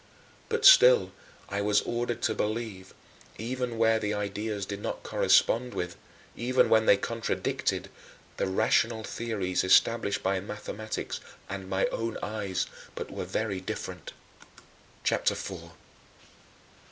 But still I was ordered to believe, even where the ideas did not correspond with even when they contradicted the rational theories established by mathematics and my own eyes, but were very different. CHAPTER IV 7.